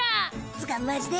つかマジで？